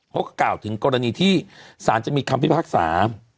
พก่าวถึงกรณีที่ศาลจะมีคำพิพักษา